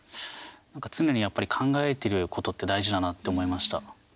常にやっぱり考えてることって大事だなって思いました。